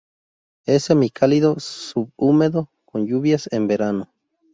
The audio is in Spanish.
Es semicálido subhúmedo con lluvias en verano.